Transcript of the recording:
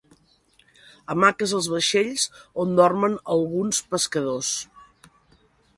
Hamaques als vaixells on dormen alguns pescadors.